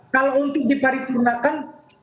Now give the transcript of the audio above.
kalau untuk dipariturnakan